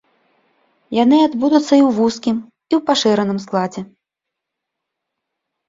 Яны адбудуцца і ў вузкім, і ў пашыраным складзе.